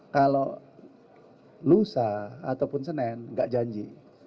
kalau lusa ataupun senen nggak janji